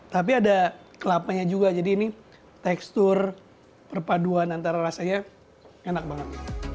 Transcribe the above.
tapi ada kelapanya juga jadi ini tekstur perpaduan antara rasanya enak banget